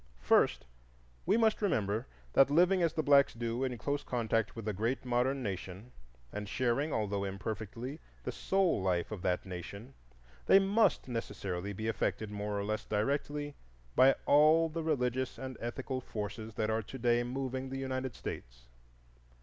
First, we must remember that living as the blacks do in close contact with a great modern nation, and sharing, although imperfectly, the soul life of that nation, they must necessarily be affected more or less directly by all the religious and ethical forces that are to day moving the United States.